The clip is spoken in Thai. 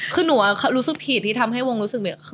คือหนูรู้สึกผิดที่ทำให้วงรู้สึกเนี่ย